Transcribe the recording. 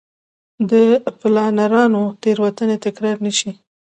د پلانرانو تېروتنې تکرار نه شي.